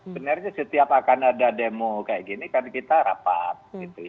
sebenarnya setiap akan ada demo kayak gini kan kita rapat